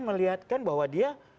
melihatkan bahwa dia